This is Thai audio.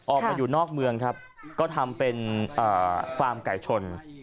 ออกมาอยู่นอกเมืองครับก็ทำเป็นฟาร์มไก่ชน